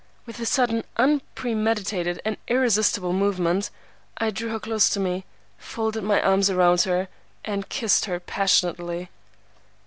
With a sudden, unpremeditated, and irresistible movement, I drew her close to me, folded my arms about her, and kissed her passionately.